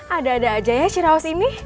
ada ada aja ya ciraus ini